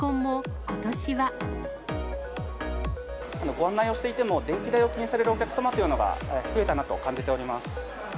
ご案内をしていても、電気代を気にされるお客様というのが増えたなと感じております。